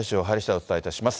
お伝えいたします。